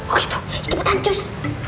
oh gitu cepetan cus